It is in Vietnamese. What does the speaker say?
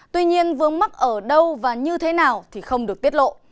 tuy nhiên vướng mắt ở đâu và như thế nào thì không được tiết lộ